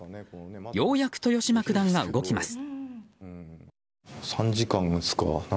ようやく豊島九段が動きます。